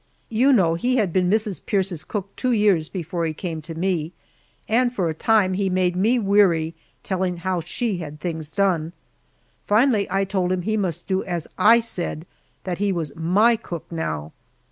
You know he had been Mrs. Pierce's cook two years before he came to me, and for a time he made me weary telling how she had things done. Finally I told him he must do as I said, that he was my cook now.